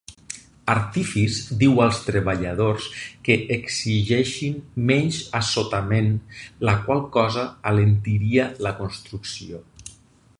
Artifis diu als treballadors que exigeixin menys assotament, la qual cosa alentiria la construcció.